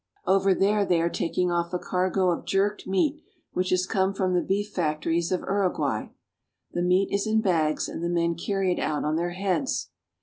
Over there they are taking off a cargo of jerked meat which has come from the beef factories of Uruguay. The meat is in bags, and the men carry it out on their heads.